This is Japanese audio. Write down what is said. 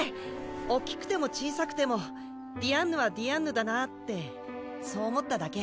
おっきくても小さくてもディアンヌはディアンヌだなぁってそう思っただけ。